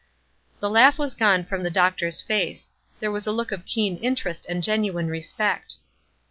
The laugh was gone from the doctor's face. There was a look of keen interest and genuine respect.